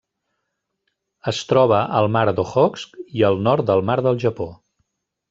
Es troba al Mar d'Okhotsk i el nord del Mar del Japó.